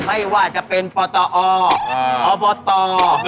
ไม่ว่าจะเป็นปอตออร์อบอตอร์